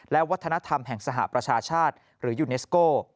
และวัฒนธรรมแห่งสหประชาชาติหรือยูเนสโก